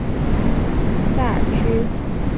萨尔屈。